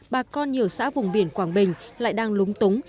bà con nhiều xã vùng biển quảng bình lại đang lúng túng